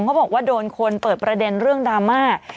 เขาบอกว่าโดนคนเปิดประเด็นเรื่องดราม่า